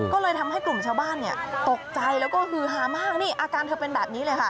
ก็เลยทำให้กลุ่มชาวบ้านตกใจแล้วก็ฮือฮามากนี่อาการเธอเป็นแบบนี้เลยค่ะ